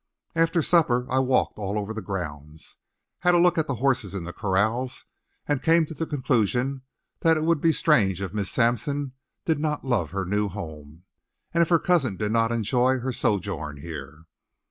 After supper I walked all over the grounds, had a look at the horses in the corrals, and came to the conclusion that it would be strange if Miss Sampson did not love her new home, and if her cousin did not enjoy her sojourn there.